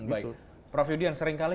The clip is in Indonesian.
baik prof yudhian seringkali